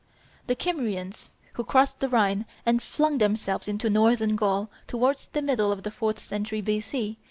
The Kymrians, who crossed the Rhine and flung themselves into northern Gaul towards the middle of the fourth century B.C.